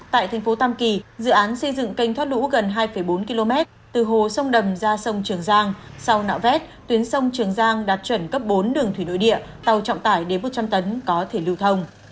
tại thành phố tam kỳ dự án xây dựng kênh thoát lũ gần hai bốn km từ hồ sông đầm ra sông trường giang sau nạo vét tuyến sông trường giang đạt chuẩn cấp bốn đường thủy nội địa tàu trọng tải đến một trăm linh tấn có thể lưu thông